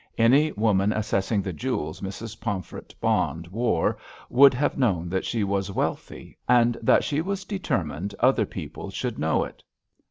Any woman assessing the jewels Mrs. Pomfret Bond wore would have known that she was wealthy, and that she was determined other people should know it.